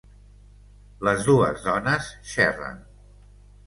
Les dues dones xerren.